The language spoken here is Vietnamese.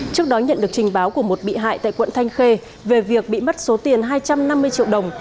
trước đó nhận được trình báo của một bị hại tại quận thanh khê về việc bị mất số tiền hai trăm năm mươi triệu đồng